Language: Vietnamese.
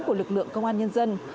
của lực lượng công an nhân dân